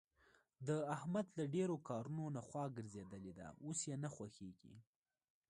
د احمد له ډېرو کارونو نه خوا ګرځېدلې ده. اوس یې نه خوښږېږي.